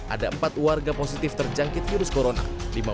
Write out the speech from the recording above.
ada empat warga positif terjangkit virus corona